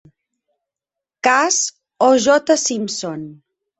Cas O. J. Simpson.